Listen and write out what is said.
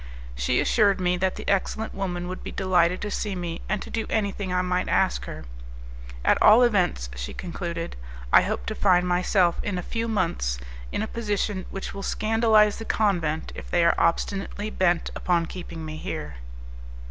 She assured me that the excellent woman would be delighted to see me, and to do anything I might ask her. "At all events," she concluded, "I hope to find myself in a few months in a position which will scandalize the convent if they are obstinately bent upon keeping me here."